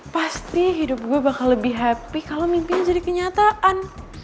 pasti hidup gue bakal lebih happy kalau mimpinya jadi kenyataan